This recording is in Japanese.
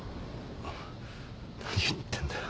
何を言ってんだ。